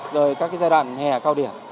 rồi các giai đoạn hè cao điểm